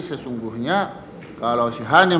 sesungguhnya kalau si hany